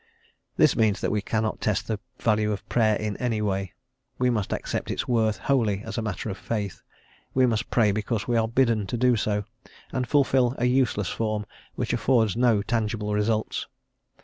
This means, that we cannot test the value of Prayer in any way; we must accept its worth wholly as a matter of faith; we must pray because we are bidden to do so, and fulfil an useless form which affords no tangible results.